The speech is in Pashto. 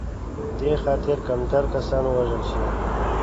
دې خاطر کمتر کسان ووژل شي.